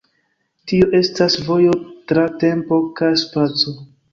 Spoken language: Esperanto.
Tio estas vojo tra tempo kaj spaco.